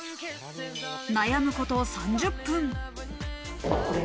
悩むこと３０分。